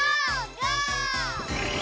ゴー！